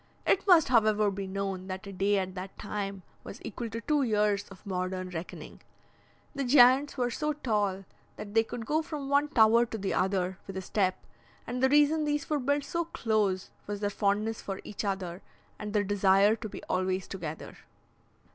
It must, however, be known that a day at that time was equal to two years of modern reckoning. The giants were so tall that they could go from one tower to the other with a step, and the reason these were built so close was their fondness for each other, and their desire to be always together."